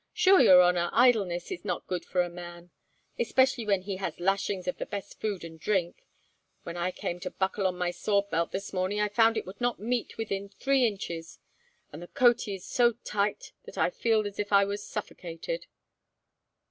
"Sure, your honour, idleness is not good for a man, especially when he has lashings of the best of food and drink. When I came to buckle on my sword belt, this morning, I found it would not meet within three inches, and the coatee is so tight that I feel as if I was suffocated."